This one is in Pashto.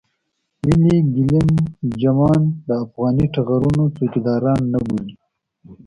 ولې ګېلم جمان د افغاني ټغرونو څوکيداران نه بولې.